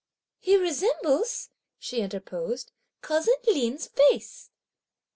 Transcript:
"He resembles," she interposed, "cousin Lin's face!"